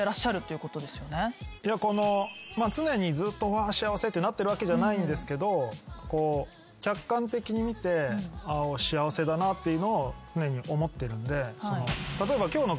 常にずっとわ幸せってなってるわけではないんですけど客観的に見て幸せだなっていうのを常に思ってるんで例えば。